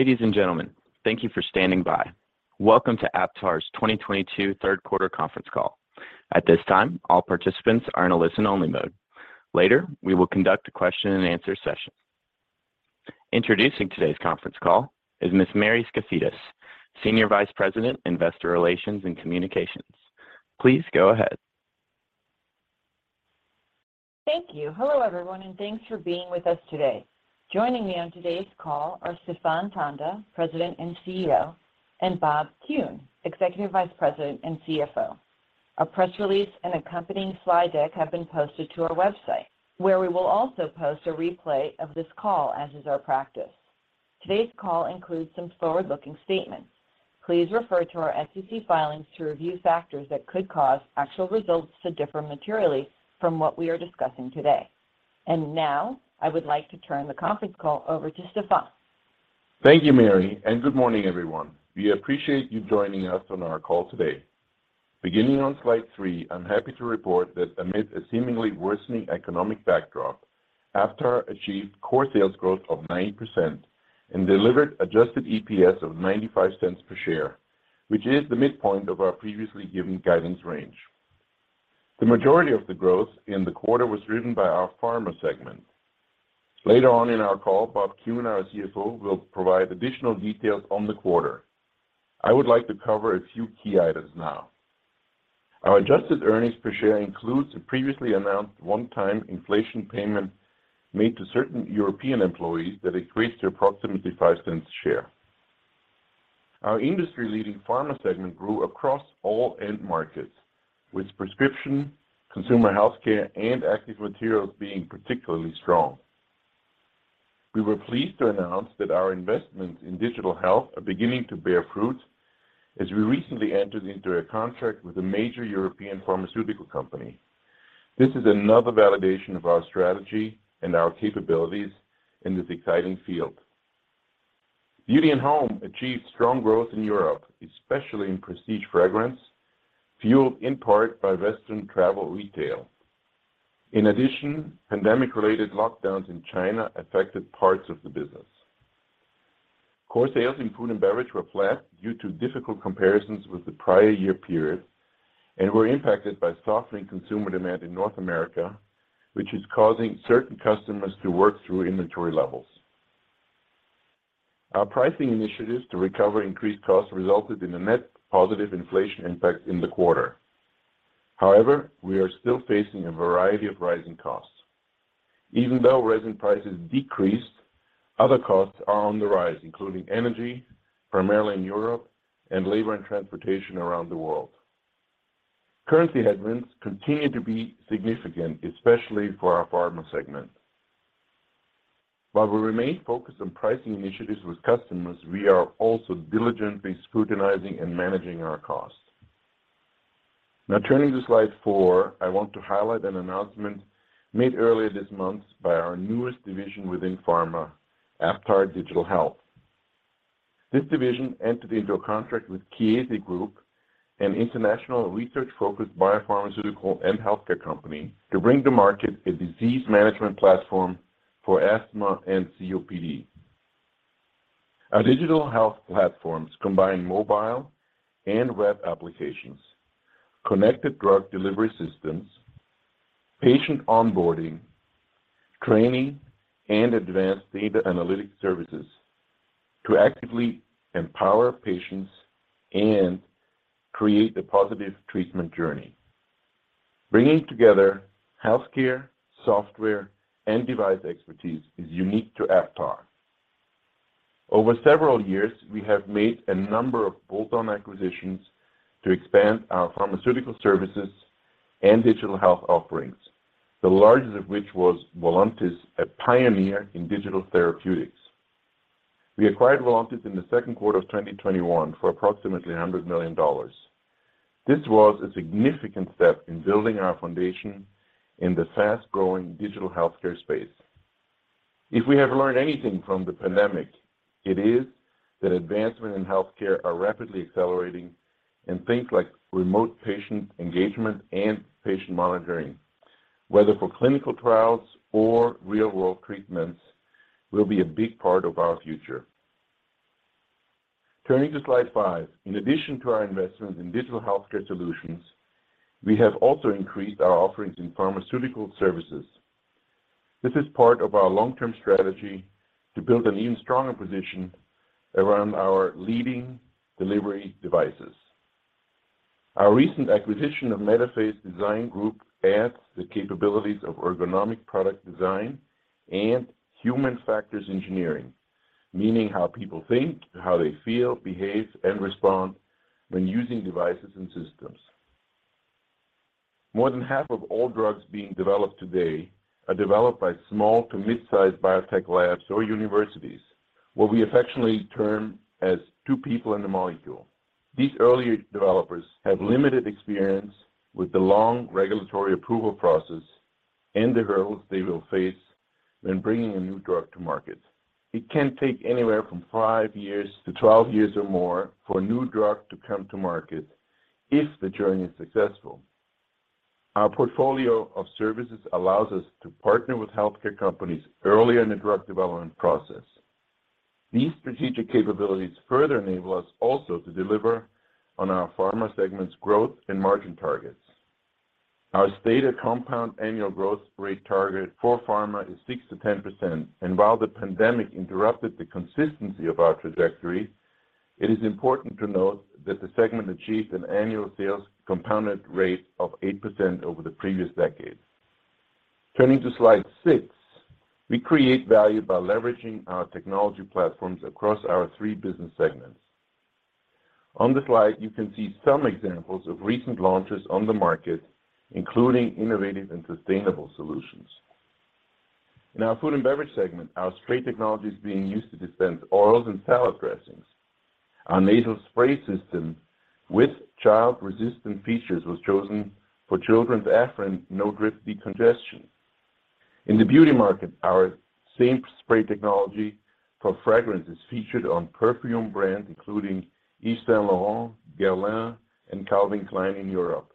Ladies and gentlemen, thank you for standing by. Welcome to Aptar's 2022 third quarter conference call. At this time, all participants are in a listen-only mode. Later, we will conduct a question and answer session. Introducing today's conference call is Ms. Mary Skafidas, Senior Vice President, Investor Relations and Communications. Please go ahead. Thank you. Hello, everyone, and thanks for being with us today. Joining me on today's call are Stephan Tanda, President and CEO, and Bob Kuhn, Executive Vice President and CFO. Our press release and accompanying slide deck have been posted to our website, where we will also post a replay of this call, as is our practice. Today's call includes some forward-looking statements. Please refer to our SEC filings to review factors that could cause actual results to differ materially from what we are discussing today. Now, I would like to turn the conference call over to Stephan. Thank you, Mary, and good morning, everyone. We appreciate you joining us on our call today. Beginning on slide 3, I'm happy to report that amid a seemingly worsening economic backdrop, Aptar achieved core sales growth of 9% and delivered adjusted EPS of $0.95 per share, which is the midpoint of our previously given guidance range. The majority of the growth in the quarter was driven by our pharma segment. Later on in our call, Bob Kuhn, our CFO, will provide additional details on the quarter. I would like to cover a few key items now. Our adjusted earnings per share includes a previously announced one-time inflation payment made to certain European employees that increased to approximately $0.05 a share. Our industry-leading pharma segment grew across all end markets, with prescription, consumer healthcare, and active materials being particularly strong. We were pleased to announce that our investments in digital health are beginning to bear fruit as we recently entered into a contract with a major European pharmaceutical company. This is another validation of our strategy and our capabilities in this exciting field. Beauty and Home achieved strong growth in Europe, especially in prestige fragrance, fueled in part by Western travel retail. In addition, pandemic-related lockdowns in China affected parts of the business. Core sales in Food and Beverage were flat due to difficult comparisons with the prior year period and were impacted by softening consumer demand in North America, which is causing certain customers to work through inventory levels. Our pricing initiatives to recover increased costs resulted in a net positive inflation impact in the quarter. However, we are still facing a variety of rising costs. Even though resin prices decreased, other costs are on the rise, including energy, primarily in Europe, and labor and transportation around the world. Currency headwinds continue to be significant, especially for our pharma segment. While we remain focused on pricing initiatives with customers, we are also diligently scrutinizing and managing our costs. Now turning to slide 4, I want to highlight an announcement made earlier this month by our newest division within pharma, Aptar Digital Health. This division entered into a contract with Chiesi Group, an international research-focused biopharmaceutical and healthcare company, to bring to market a disease management platform for asthma and COPD. Our digital health platforms combine mobile and web applications, connected drug delivery systems, patient onboarding, training, and advanced data analytics services to actively empower patients and create a positive treatment journey. Bringing together healthcare, software, and device expertise is unique to Aptar. Over several years, we have made a number of bolt-on acquisitions to expand our pharmaceutical services and digital health offerings, the largest of which was Voluntis, a pioneer in digital therapeutics. We acquired Voluntis in the second quarter of 2021 for approximately $100 million. This was a significant step in building our foundation in the fast-growing digital healthcare space. If we have learned anything from the pandemic, it is that advancements in healthcare are rapidly accelerating and things like remote patient engagement and patient monitoring, whether for clinical trials or real-world treatments, will be a big part of our future. Turning to slide 5, in addition to our investments in digital healthcare solutions, we have also increased our offerings in pharmaceutical services. This is part of our long-term strategy to build an even stronger position around our leading delivery devices. Our recent acquisition of Metaphase Design Group adds the capabilities of ergonomic product design and human factors engineering, meaning how people think, how they feel, behave, and respond when using devices and systems. More than half of all drugs being developed today are developed by small to mid-sized biotech labs or universities, what we affectionately term as two people and a molecule. These early developers have limited experience with the long regulatory approval process and the hurdles they will face when bringing a new drug to market. It can take anywhere from 5-12 years or more for a new drug to come to market if the journey is successful. Our portfolio of services allows us to partner with healthcare companies early in the drug development process. These strategic capabilities further enable us also to deliver on our pharma segment's growth and margin targets. Our stated compound annual growth rate target for pharma is 6%-10%, and while the pandemic interrupted the consistency of our trajectory, it is important to note that the segment achieved an annual sales compounded rate of 8% over the previous decade. Turning to slide 6, we create value by leveraging our technology platforms across our three business segments. On the slide, you can see some examples of recent launches on the market, including innovative and sustainable solutions. In our food and beverage segment, our spray technology is being used to dispense oils and salad dressings. Our nasal spray system with child-resistant features was chosen for Children's Afrin No Drip Decongestant. In the beauty market, our same spray technology for fragrance is featured on perfume brands, including Yves Saint Laurent, Guerlain, and Calvin Klein in Europe,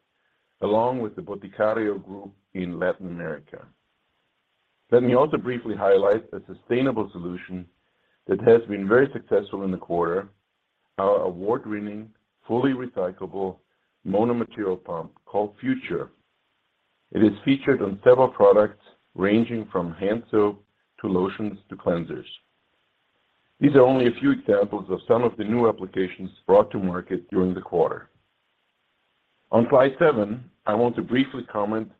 along with the Grupo Boticário in Latin America. Let me also briefly highlight a sustainable solution that has been very successful in the quarter, our award-winning, fully recyclable mono-material pump called Future. It is featured on several products ranging from hand soap, to lotions, to cleansers. These are only a few examples of some of the new applications brought to market during the quarter. On slide seven, I want to briefly comment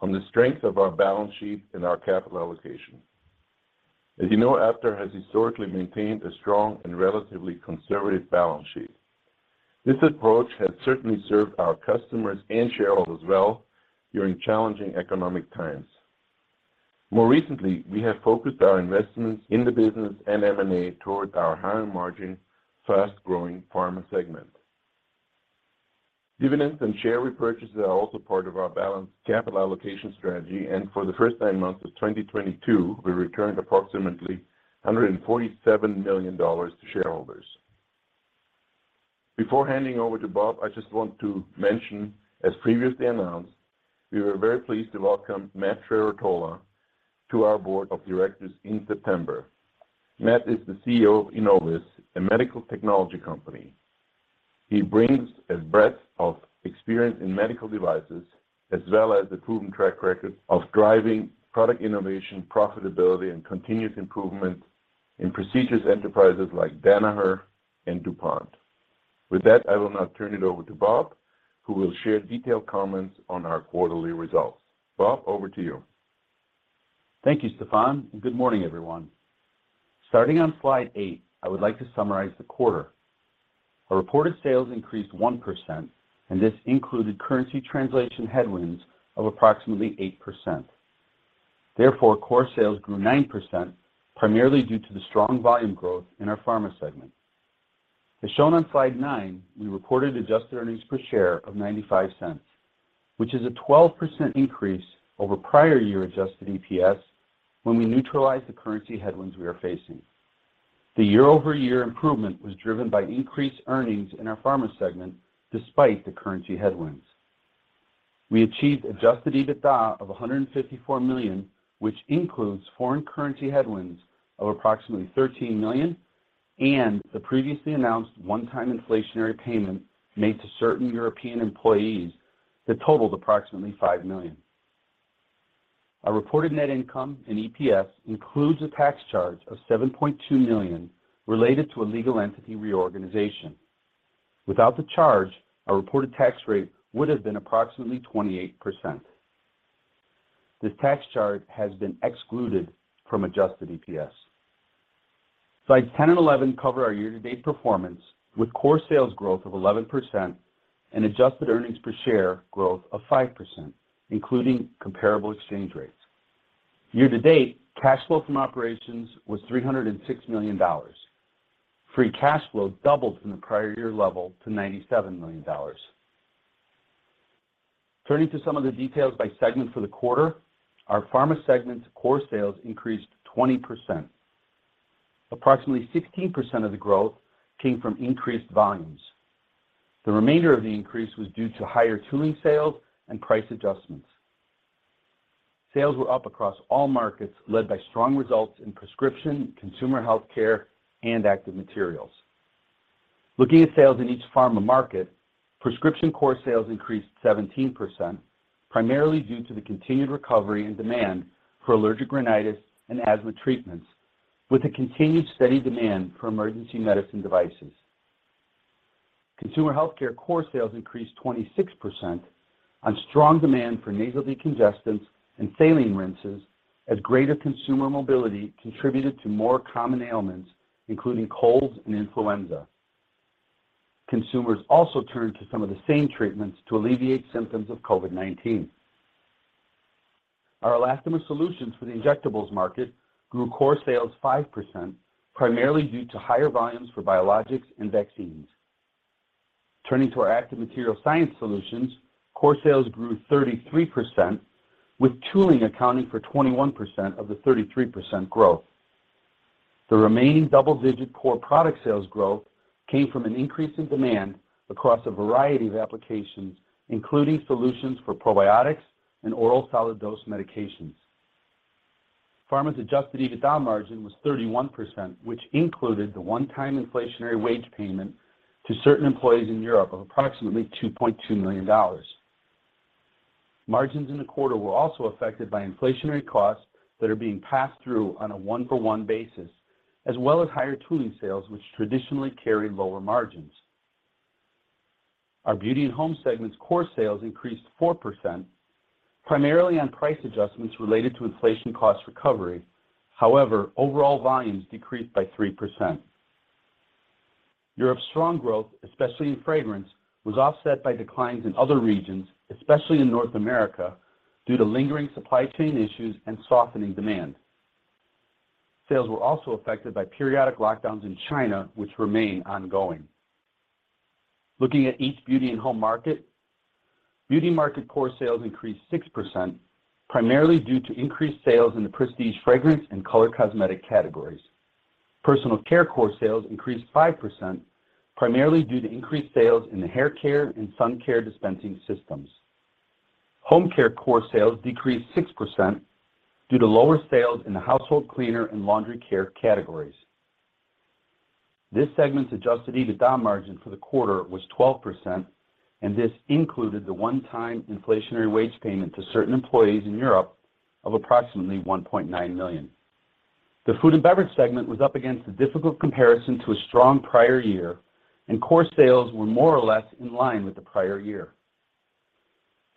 on the strength of our balance sheet and our capital allocation. As you know, Aptar has historically maintained a strong and relatively conservative balance sheet. This approach has certainly served our customers and shareholders well during challenging economic times. More recently, we have focused our investments in the business and M&A towards our higher margin, fast-growing pharma segment. Dividends and share repurchases are also part of our balanced capital allocation strategy, and for the first nine months of 2022, we returned approximately $147 million to shareholders. Before handing over to Bob, I just want to mention, as previously announced, we were very pleased to welcome Matt Trerotola to our board of directors in September. Matt is the CEO of Inovus Medical, a medical technology company. He brings a breadth of experience in medical devices as well as a proven track record of driving product innovation, profitability, and continuous improvement in prestigious enterprises like Danaher and DuPont. With that, I will now turn it over to Bob, who will share detailed comments on our quarterly results. Bob, over to you. Thank you, Stephan, and good morning, everyone. Starting on slide 8, I would like to summarize the quarter. Our reported sales increased 1%, and this included currency translation headwinds of approximately 8%. Therefore, core sales grew 9%, primarily due to the strong volume growth in our pharma segment. As shown on slide 9, we reported adjusted earnings per share of $0.95, which is a 12% increase over prior year adjusted EPS when we neutralize the currency headwinds we are facing. The year-over-year improvement was driven by increased earnings in our pharma segment despite the currency headwinds. We achieved adjusted EBITDA of $154 million, which includes foreign currency headwinds of approximately $13 million and the previously announced one-time inflationary payment made to certain European employees that totaled approximately $5 million. Our reported net income and EPS includes a tax charge of $7.2 million related to a legal entity reorganization. Without the charge, our reported tax rate would have been approximately 28%. This tax charge has been excluded from adjusted EPS. Slides 10 and 11 cover our year-to-date performance with core sales growth of 11% and adjusted earnings per share growth of 5%, including comparable exchange rates. Year to date, cash flow from operations was $306 million. Free cash flow doubled from the prior year level to $97 million. Turning to some of the details by segment for the quarter. Our pharma segment's core sales increased 20%. Approximately 16% of the growth came from increased volumes. The remainder of the increase was due to higher tooling sales and price adjustments. Sales were up across all markets, led by strong results in prescription, consumer healthcare, and active materials. Looking at sales in each pharma market, prescription core sales increased 17%, primarily due to the continued recovery in demand for allergic rhinitis and asthma treatments, with a continued steady demand for emergency medicine devices. Consumer healthcare core sales increased 26% on strong demand for nasal decongestants and saline rinses as greater consumer mobility contributed to more common ailments, including colds and influenza. Consumers also turned to some of the same treatments to alleviate symptoms of COVID-19. Our elastomer solutions for the injectables market grew core sales 5%, primarily due to higher volumes for biologics and vaccines. Turning to our active material science solutions, core sales grew 33%, with tooling accounting for 21% of the 33% growth. The remaining double-digit core product sales growth came from an increase in demand across a variety of applications, including solutions for probiotics and oral solid dose medications. Pharma's adjusted EBITDA margin was 31%, which included the one-time inflationary wage payment to certain employees in Europe of approximately $2.2 million. Margins in the quarter were also affected by inflationary costs that are being passed through on a one-for-one basis, as well as higher tooling sales, which traditionally carry lower margins. Our beauty and home segment's core sales increased 4%, primarily on price adjustments related to inflation cost recovery. However, overall volumes decreased by 3%. Europe's strong growth, especially in fragrance, was offset by declines in other regions, especially in North America, due to lingering supply chain issues and softening demand. Sales were also affected by periodic lockdowns in China, which remain ongoing. Looking at each beauty and home market, beauty market core sales increased 6%, primarily due to increased sales in the prestige fragrance and color cosmetic categories. Personal care core sales increased 5%, primarily due to increased sales in the hair care and sun care dispensing systems. Home care core sales decreased 6% due to lower sales in the household cleaner and laundry care categories. This segment's adjusted EBITDA margin for the quarter was 12%, and this included the one-time inflationary wage payment to certain employees in Europe of approximately $1.9 million. The food and beverage segment was up against a difficult comparison to a strong prior year, and core sales were more or less in line with the prior year.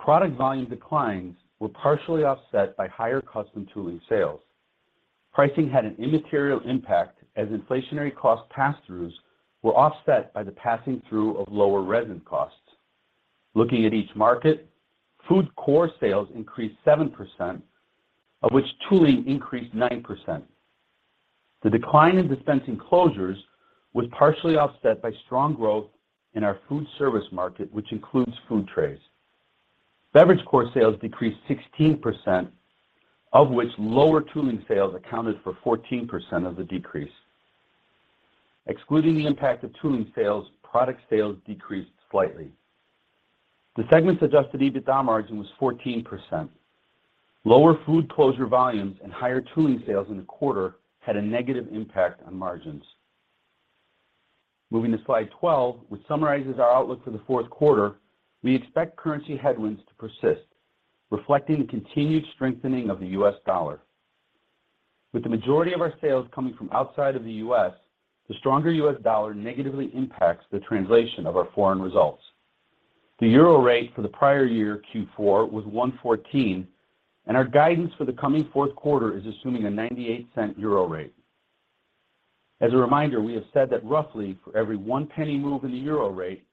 Product volume declines were partially offset by higher custom tooling sales. Pricing had an immaterial impact, as inflationary cost pass-throughs were offset by the passing-through of lower resin costs. Looking at each market, food core sales increased 7%, of which tooling increased 9%. The decline in dispensing closures was partially offset by strong growth in our food service market, which includes food trays. Beverage core sales decreased 16%, of which lower tooling sales accounted for 14% of the decrease. Excluding the impact of tooling sales, product sales decreased slightly. The segment's adjusted EBITDA margin was 14%. Lower food closure volumes and higher tooling sales in the quarter had a negative impact on margins. Moving to slide 12, which summarizes our outlook for the fourth quarter, we expect currency headwinds to persist, reflecting the continued strengthening of the US dollar. With the majority of our sales coming from outside of the US, the stronger US dollar negatively impacts the translation of our foreign results. The euro rate for the prior year Q4 was 1.14, and our guidance for the coming fourth quarter is assuming a $0.98 euro rate. As a reminder, we have said that roughly for every 1 penny move in the euro rate,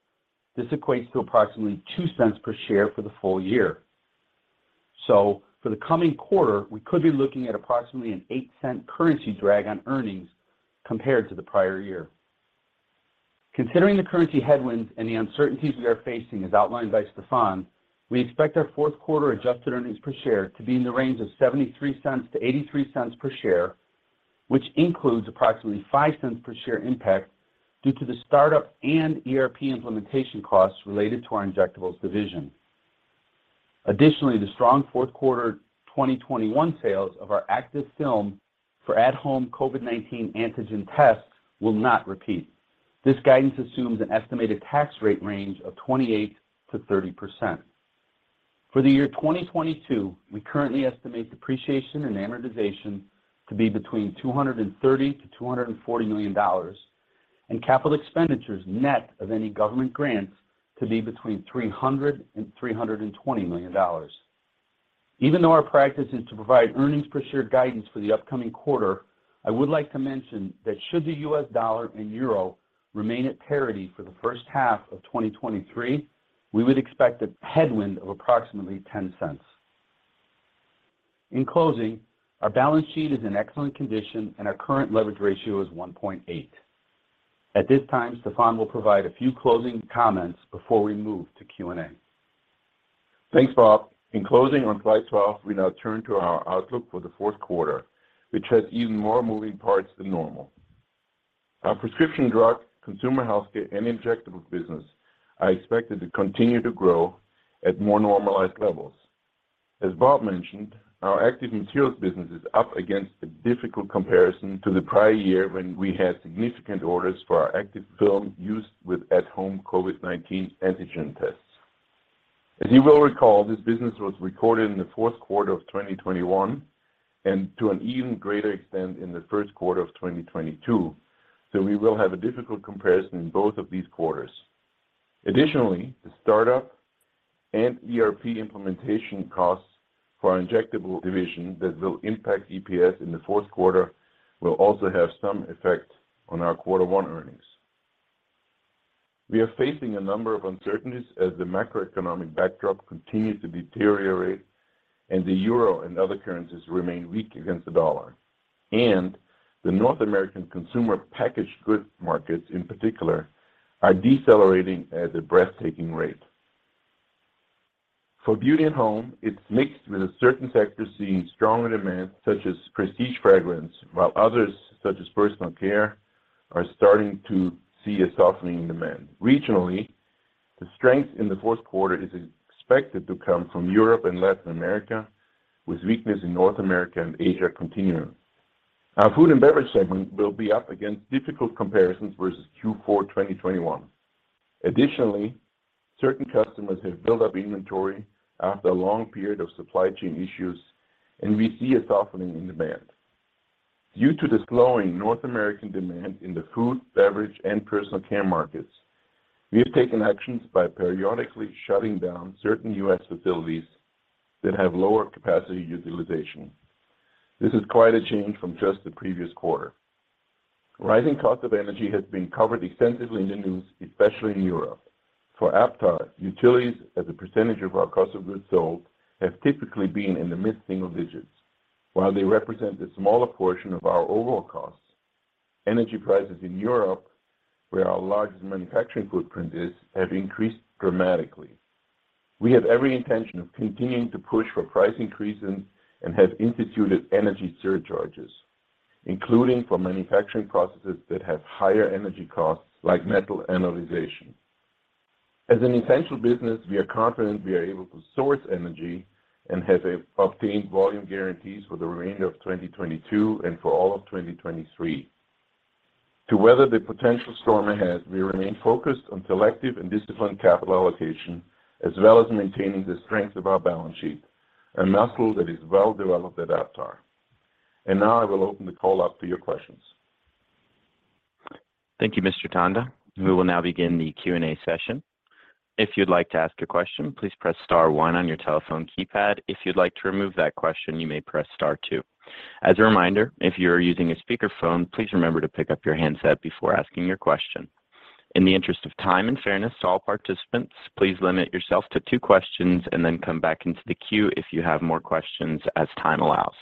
this equates to approximately $0.02 per share for the full year. For the coming quarter, we could be looking at approximately an $0.08 currency drag on earnings compared to the prior year. Considering the currency headwinds and the uncertainties we are facing, as outlined by Stephan, we expect our fourth quarter adjusted earnings per share to be in the range of $0.73-$0.83 per share, which includes approximately $0.05 per share impact due to the startup and ERP implementation costs related to our injectables division. Additionally, the strong fourth quarter 2021 sales of our Activ-Film for at-home COVID-19 antigen tests will not repeat. This guidance assumes an estimated tax rate range of 28%-30%. For the year 2022, we currently estimate depreciation and amortization to be between $230 million-$240 million, and capital expenditures net of any government grants to be between $300 million-$320 million. Even though our practice is to provide earnings per share guidance for the upcoming quarter, I would like to mention that should the U.S. dollar and euro remain at parity for the first half of 2023, we would expect a headwind of approximately $0.10. In closing, our balance sheet is in excellent condition, and our current leverage ratio is 1.8. At this time, Stephan will provide a few closing comments before we move to Q&A. Thanks, Bob. In closing on slide 12, we now turn to our outlook for the fourth quarter, which has even more moving parts than normal. Our prescription drug, consumer healthcare, and injectables business are expected to continue to grow at more normalized levels. As Bob mentioned, our active materials business is up against a difficult comparison to the prior year when we had significant orders for our Activ-Film used with at-home COVID-19 antigen tests. As you will recall, this business was recorded in the fourth quarter of 2021 and to an even greater extent in the first quarter of 2022, so we will have a difficult comparison in both of these quarters. Additionally, the startup and ERP implementation costs for our injectable division that will impact EPS in the fourth quarter will also have some effect on our quarter one earnings. We are facing a number of uncertainties as the macroeconomic backdrop continues to deteriorate and the euro and other currencies remain weak against the dollar. The North American consumer packaged goods markets in particular are decelerating at a breathtaking rate. For beauty at home, it's mixed with certain sectors seeing stronger demand, such as prestige fragrance, while others, such as personal care, are starting to see a softening demand. Regionally, the strength in the fourth quarter is expected to come from Europe and Latin America, with weakness in North America and Asia continuing. Our food and beverage segment will be up against difficult comparisons versus Q4 2021. Additionally, certain customers have built up inventory after a long period of supply chain issues, and we see a softening in demand. Due to the slowing North American demand in the food, beverage, and personal care markets, we have taken actions by periodically shutting down certain U.S. facilities that have lower capacity utilization. This is quite a change from just the previous quarter. Rising cost of energy has been covered extensively in the news, especially in Europe. For Aptar, utilities as a percentage of our cost of goods sold have typically been in the mid-single digits%. While they represent a smaller portion of our overall costs, energy prices in Europe, where our largest manufacturing footprint is, have increased dramatically. We have every intention of continuing to push for price increases and have instituted energy surcharges, including for manufacturing processes that have higher energy costs, like metallization. As an essential business, we are confident we are able to source energy and have obtained volume guarantees for the remainder of 2022 and for all of 2023. To weather the potential storm ahead, we remain focused on selective and disciplined capital allocation, as well as maintaining the strength of our balance sheet, a muscle that is well-developed at Aptar. Now, I will open the call up for your questions. Thank you, Mr. Tanda. We will now begin the Q&A session. If you'd like to ask a question, please press star one on your telephone keypad. If you'd like to remove that question, you may press star two. As a reminder, if you are using a speakerphone, please remember to pick up your handset before asking your question. In the interest of time and fairness to all participants, please limit yourself to two questions and then come back into the queue if you have more questions as time allows.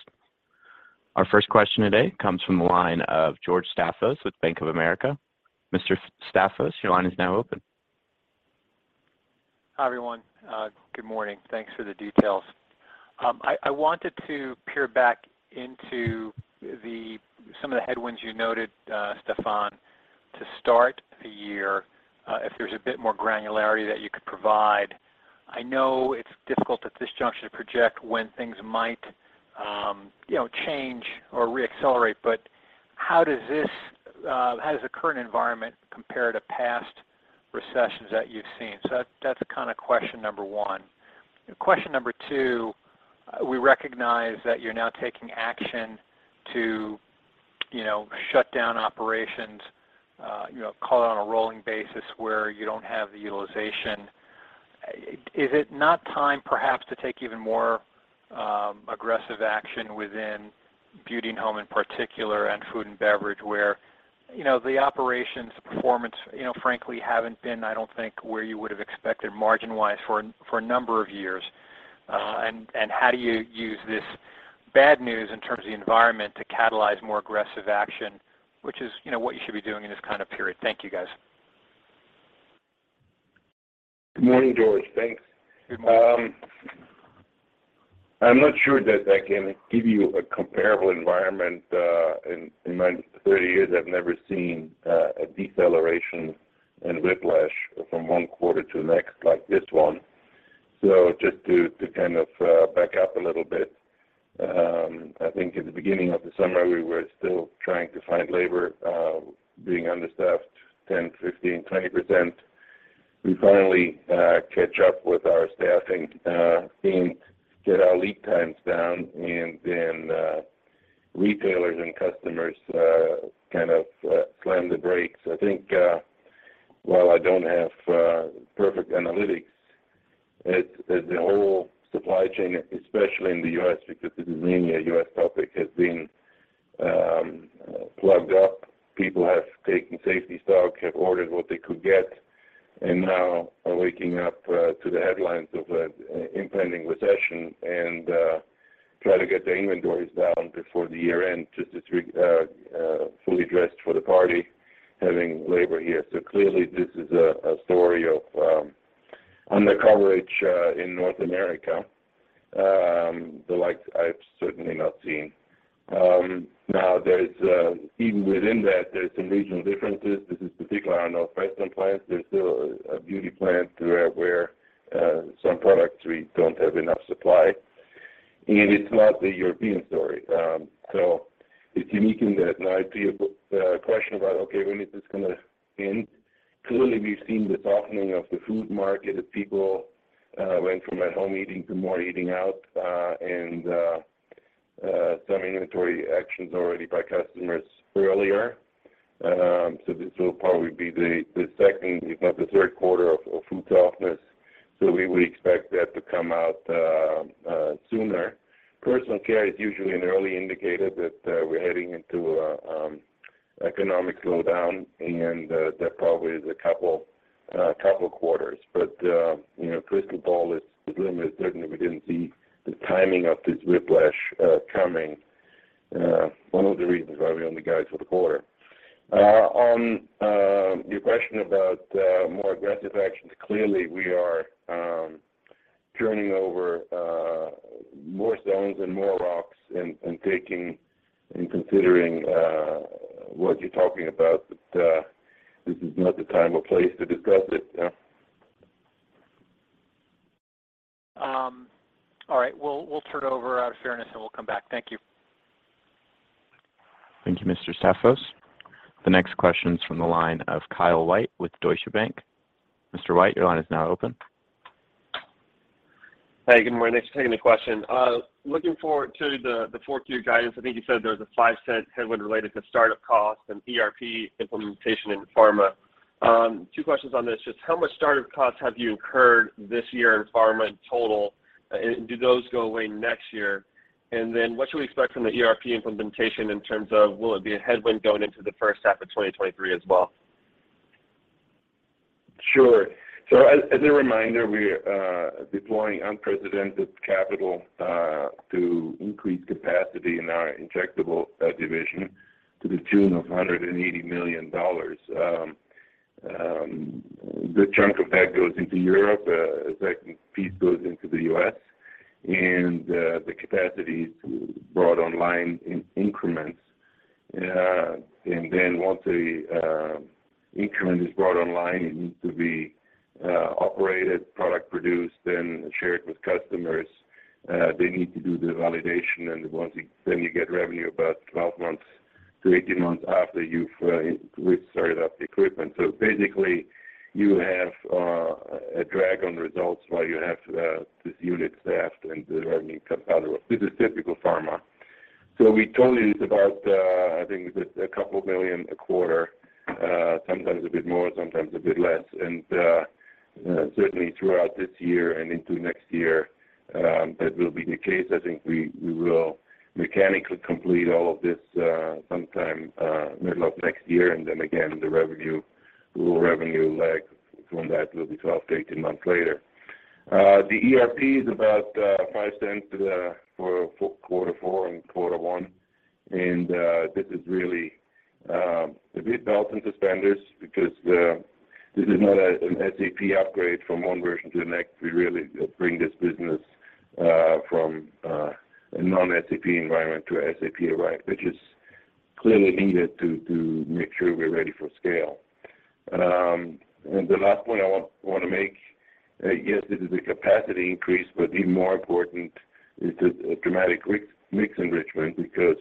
Our first question today comes from the line of George Staphos with Bank of America. Mr. Staphos, your line is now open. Hi, everyone. Good morning. Thanks for the details. I wanted to peer back into some of the headwinds you noted, Stephan, to start the year, if there's a bit more granularity that you could provide. I know it's difficult at this juncture to project when things might, you know, change or re-accelerate, but how does the current environment compare to past recessions that you've seen? That's kind of question number one. Question number two, we recognize that you're now taking action to, you know, shut down operations, you know, call it on a rolling basis where you don't have the utilization. Is it not time perhaps to take even more aggressive action within beauty and home in particular and food and beverage where, you know, the operations performance, you know, frankly haven't been, I don't think, where you would have expected margin-wise for a number of years. How do you use this bad news in terms of the environment to catalyze more aggressive action, which is, you know, what you should be doing in this kind of period? Thank you, guys. Good morning, George. Thanks. Good morning. I'm not sure that I can give you a comparable environment. In my 30 years, I've never seen a deceleration and whiplash from one quarter to the next like this one. Just to kind of back up a little bit, I think in the beginning of the summer, we were still trying to find labor, being understaffed 10%, 15%, 20%. We finally catch up with our staffing team, get our lead times down, and then retailers and customers kind of slam the brakes. I think while I don't have perfect analytics, the whole supply chain, especially in the U.S., because this is mainly a U.S. topic, has been plugged up. People have taken safety stock, have ordered what they could get, and now are waking up to the headlines of an impending recession and try to get their inventories down before the year end to just fully dressed for the party, having labor here. Clearly this is a story of undercoverage in North America, the like I've certainly not seen. Now there's even within that, there's some regional differences. This is particularly on our western plants. There's still a beauty plant where some products we don't have enough supply. It's not the European story. So it's unique in that. Now to your question about, okay, when is this gonna end? Clearly, we've seen the softening of the food market as people went from at home eating to more eating out, and some inventory actions already by customers earlier. This will probably be the second, if not the third quarter of food softness. We expect that to come out sooner. Personal care is usually an early indicator that we're heading into a economic slowdown, and that probably is a couple quarters. You know, crystal ball is gloomy. Certainly we didn't see the timing of this whiplash coming. One of the reasons why we own the guidance for the quarter. On your question about more aggressive actions, clearly, we are turning over more stones and more rocks and taking and considering what you're talking about, but this is not the time or place to discuss it. Yeah. All right. We'll turn it over out of fairness, and we'll come back. Thank you. Thank you, Mr. Staphos. The next question is from the line of Kyle White with Deutsche Bank. Mr. White, your line is now open. Hey, good morning. Thanks for taking the question. Looking forward to the fourth quarter guidance. I think you said there was a $0.05 headwind related to start-up costs and ERP implementation in pharma. Two questions on this. Just how much start-up costs have you incurred this year in pharma in total? And do those go away next year? What should we expect from the ERP implementation in terms of will it be a headwind going into the first half of 2023 as well? Sure. As a reminder, we're deploying unprecedented capital to increase capacity in our injectables division to the tune of $180 million. A good chunk of that goes into Europe, a second piece goes into the US, and the capacity is brought online in increments. Then once the increment is brought online, it needs to be operated, product produced, then shared with customers. They need to do the validation, and once, then you get revenue about 12 months to 18 months after you've started up the equipment. Basically, you have a drag on results while you have this unit staffed and the revenue comes out of it. This is typical pharma. We told you it's about, I think it's $2 million a quarter, sometimes a bit more, sometimes a bit less. Certainly throughout this year and into next year, that will be the case. I think we will mechanically complete all of this sometime middle of next year. Then again, a little revenue lag from that will be 12-18 months later. The ERP is about $0.05 for quarter four and quarter one. This is really a bit belt and suspenders because this is not an SAP upgrade from one version to the next. We really bring this business from a non-SAP environment to SAP environment, which is clearly needed to make sure we're ready for scale. The last point I want to make, yes, this is a capacity increase, but even more important, this is a dramatic mix enrichment because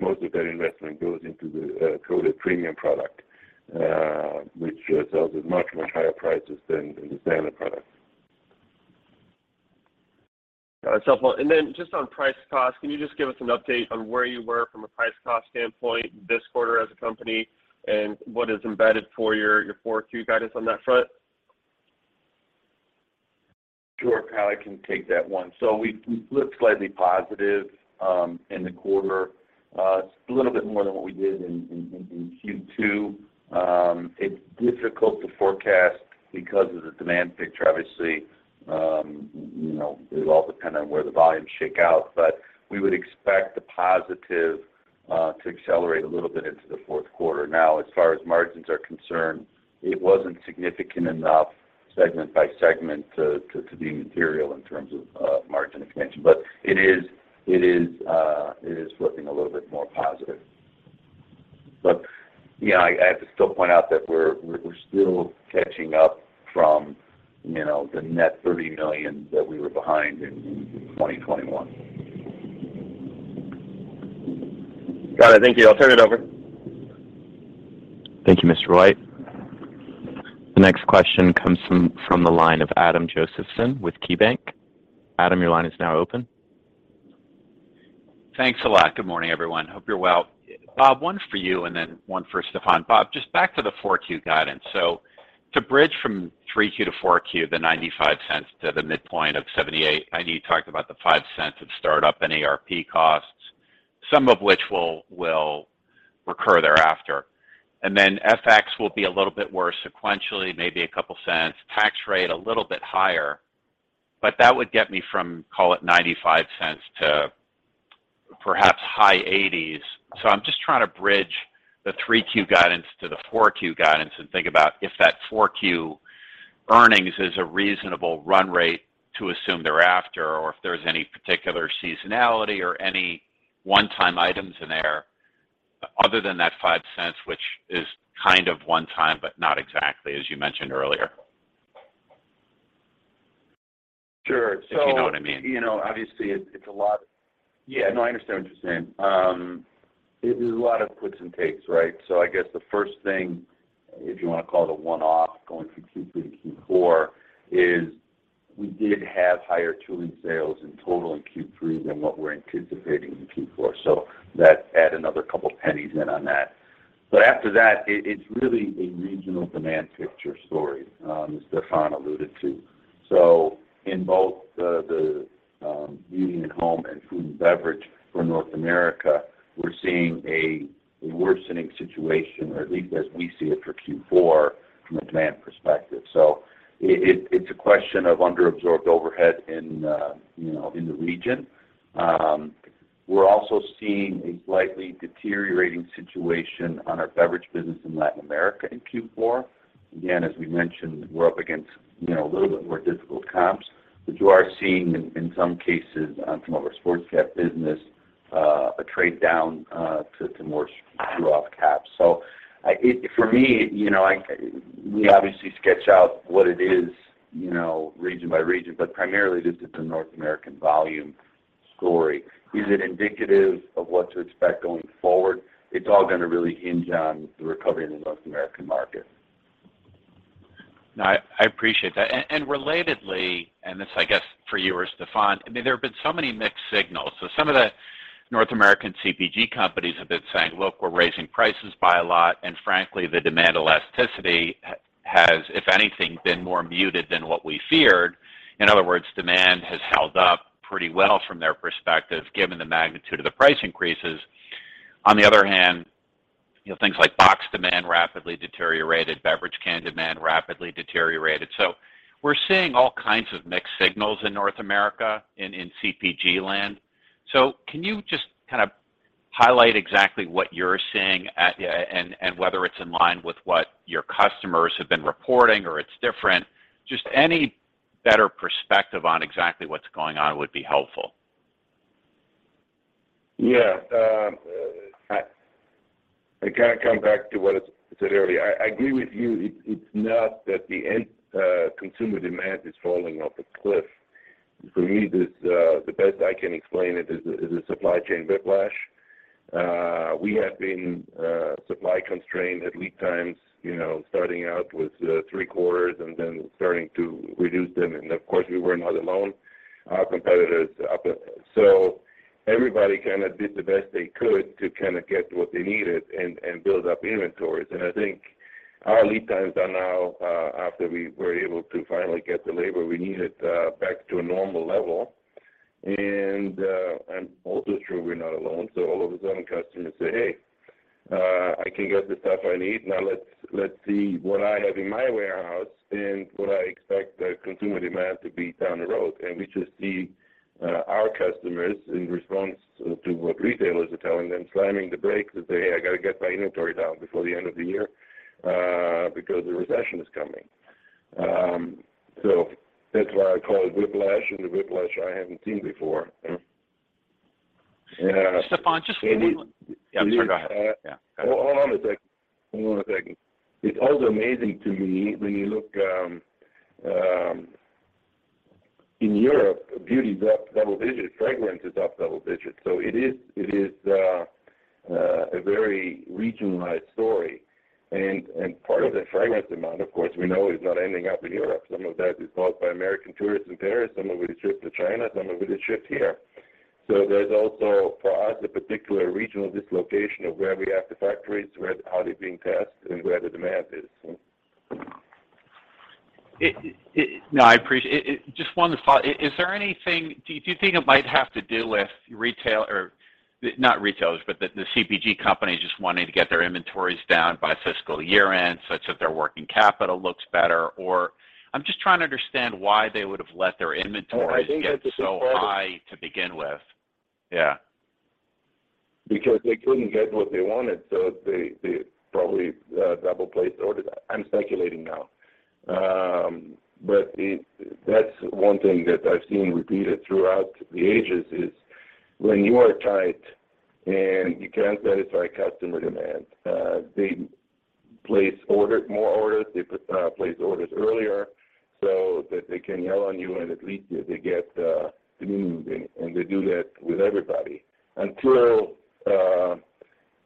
most of that investment goes into the totally premium product, which sells at much higher prices than the standard product. Got it. Just on price cost, can you just give us an update on where you were from a price cost standpoint this quarter as a company and what is embedded for your fourth quarter guidance on that front? Sure, Kyle, I can take that one. We looked slightly positive in the quarter. It's a little bit more than what we did in Q2. It's difficult to forecast because of the demand picture. Obviously, you know, it will all depend on where the volumes shake out. We would expect the positive to accelerate a little bit into the fourth quarter. Now, as far as margins are concerned, it wasn't significant enough segment by segment to be material in terms of margin expansion. It is looking a little bit more positive. You know, I have to still point out that we're still catching up from, you know, the net $30 million that we were behind in 2021. Got it. Thank you. I'll turn it over. Thank you, Mr. White. The next question comes from the line of Adam Josephson with KeyBank. Adam, your line is now open. Thanks a lot. Good morning, everyone. Hope you're well. Bob, one for you and then one for Stephan. Bob, just back to the 4Q guidance. To bridge from 3Q to 4Q, the $0.95 to the midpoint of $0.78, I know you talked about the $0.05 of startup and ARP costs, some of which will recur thereafter. Then FX will be a little bit worse sequentially, maybe a couple cents. Tax rate, a little bit higher. That would get me from, call it $0.95 to perhaps high eighties. I'm just trying to bridge the 3Q guidance to the 4Q guidance and think about if that 4Q earnings is a reasonable run rate to assume thereafter, or if there's any particular seasonality or any one-time items in there other than that $0.05, which is kind of one time, but not exactly, as you mentioned earlier. Sure. If you know what I mean. You know, obviously it's a lot. Yeah, no, I understand what you're saying. It is a lot of puts and takes, right? I guess the first thing, if you wanna call it a one-off going from Q3 to Q4, is we did have higher tooling sales in total in Q3 than what we're anticipating in Q4. That add another couple pennies in on that. But after that, it's really a regional demand picture story, as Stephan alluded to. In both the beauty and home and food and beverage for North America, we're seeing a worsening situation, or at least as we see it for Q4 from a demand perspective. It's a question of underabsorbed overhead in, you know, in the region. We're also seeing a slightly deteriorating situation on our beverage business in Latin America in Q4. Again, as we mentioned, we're up against, you know, a little bit more difficult comps. You are seeing in some cases from our sports cap business a trade down to more screw-off caps. We obviously sketch out what it is, you know, region by region, but primarily this is a North American volume story. Is it indicative of what to expect going forward? It's all gonna really hinge on the recovery in the North American market. No, I appreciate that. Relatedly, this I guess for you or Stephan, I mean, there have been so many mixed signals. Some of the North American CPG companies have been saying, "Look, we're raising prices by a lot, and frankly, the demand elasticity has, if anything, been more muted than what we feared." In other words, demand has held up pretty well from their perspective, given the magnitude of the price increases. On the other hand, you know, things like box demand rapidly deteriorated, beverage can demand rapidly deteriorated. We're seeing all kinds of mixed signals in North America in CPG land. Can you just kind of highlight exactly what you're seeing, and whether it's in line with what your customers have been reporting or it's different? Just any better perspective on exactly what's going on would be helpful. Yeah. I kind of come back to what I said earlier. I agree with you. It's not that the end consumer demand is falling off a cliff. For me, the best I can explain it is a supply chain whiplash. We have been supply constrained at lead times, you know, starting out with three quarters and then starting to reduce them. Of course, we were not alone. Our competitors. So everybody kind of did the best they could to kind of get what they needed and build up inventories. I think our lead times are now, after we were able to finally get the labor we needed, back to a normal level. Also true, we're not alone. All of a sudden customers say, "Hey, I can get the stuff I need. Now let's see what I have in my warehouse and what I expect consumer demand to be down the road." We just see our customers, in response to what retailers are telling them, slamming the brakes and say, "Hey, I got to get my inventory down before the end of the year because the recession is coming." That's why I call it whiplash, and a whiplash I haven't seen before. Stephan, just one more. And it- Yeah. I'm sorry. Go ahead. Yeah. Hold on a second. It's also amazing to me when you look in Europe, beauty is up double digits, fragrance is up double digits. It is a very regionalized story. Part of that fragrance demand, of course, we know is not ending up in Europe. Some of that is bought by American tourists in Paris, some of it is shipped to China, some of it is shipped here. There's also for us a particular regional dislocation of where we have the factories, where, how they're being taxed, and where the demand is. No, I appreciate it. Just one thought. Do you think it might have to do with retail or not retailers, but the CPG companies just wanting to get their inventories down by fiscal year-end such that their working capital looks better? I'm just trying to understand why they would have let their inventories get so high to begin with. Yeah. Because they couldn't get what they wanted, so they probably double placed orders. I'm speculating now. But that's one thing that I've seen repeated throughout the ages is when you are tight and you can't satisfy customer demand, they place more orders earlier so that they can rely on you and at least they get things moving. And they do that with everybody until